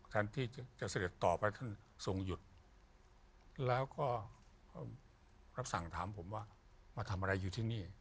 แทนที่จะเสด็จต่อไปขึ้นทรงหยุดแล้วก็รับสั่งถามผมว่ามาทำอะไรอยู่ที่นี่